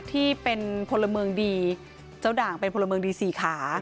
ที่เป็นพลเมืองดีเจ้าด่างเป็นพลเมืองดีสี่ขา